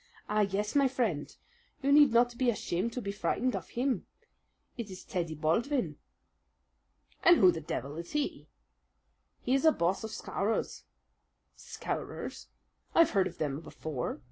"Ah, yes, my friend! You need not be ashamed to be frightened of him. It is Teddy Baldwin." "And who the devil is he?" "He is a boss of Scowrers." "Scowrers! I've heard of them before.